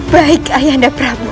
baik ayahanda prabu